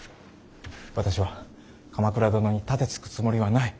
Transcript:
私は鎌倉殿に盾つくつもりはない。